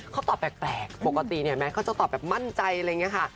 เขาตอบแปลกปกติเนี่ยแม้เขาจะตอบแบบมั่นใจอะไรอย่างนี้ค่ะ